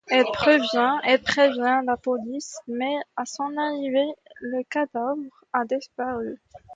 Elle prévient la police mais à son arrivée le cadavre a disparu.